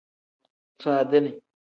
Faadini.